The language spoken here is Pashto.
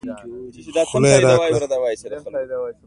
خوله يې راګړه